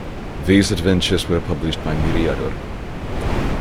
These adventures were published by Myriador.